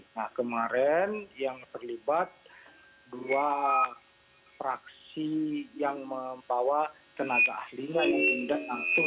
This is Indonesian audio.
nah kemarin yang terlibat dua praksi yang membawa tenaga ahlinya yang kemudian langsung